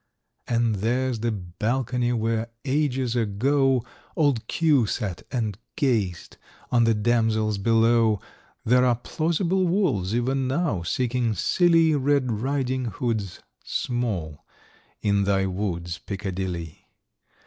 And there's the balcony, where, ages ago, Old Q sat and gazed on the damsels below. There are plausible wolves even now, seeking silly Red Riding Hoods small in thy woods, Piccadilly!